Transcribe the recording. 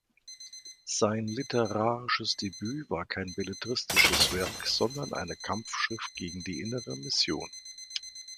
Sein literarisches Debüt war kein belletristisches Werk, sondern eine Kampfschrift gegen die Innere Mission.